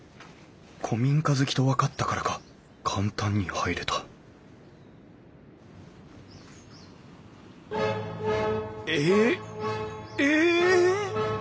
古民家好きと分かったからか簡単に入れたえええ！？